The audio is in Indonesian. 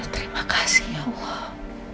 terima kasih ya allah